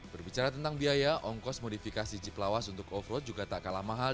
berbicara tentang biaya ongkos modifikasi jeep lawas untuk off road juga tak kalah mahal